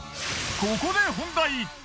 ここで本題。